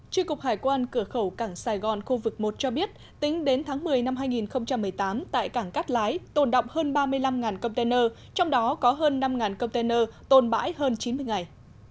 tri cục hải quan cửa khẩu cảng sài gòn khu vực một cho biết tính đến tháng một mươi năm hai nghìn một mươi tám tại cảng cát lái tồn động hơn ba mươi năm container trong đó có hơn năm container tồn bãi hơn chín mươi ngày